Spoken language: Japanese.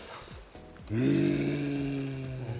うん。